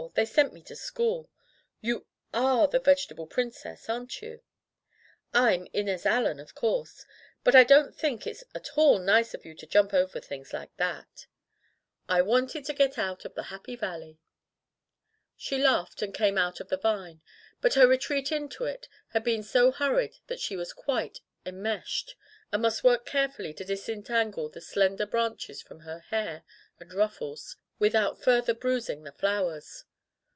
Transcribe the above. They sent me to school. You are the Vegetable Princess aren't you?" "I'm Inez Allen, of course; but I don't think it's at all nice of you to jump over things like that." [ i8o ] Digitized by LjOOQ IC Rasselas in the Vegetable Kingdom "I wanted to get out of the Happy Val ley/' She laughed and came out of the vine, but her retreat into it had been so hurried that she was quite enmeshed, and must work carefully to disentangle the slender branches from her hair and ruffles, without further bruising the flowers.